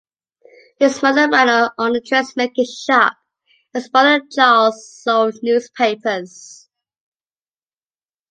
His mother ran her own dressmaking shop, and his brother Charles sold newspapers.